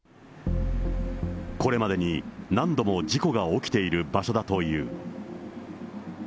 これまでに何度も事故が起きている場所だという。